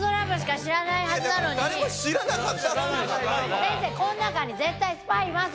先生この中に絶対スパイいます！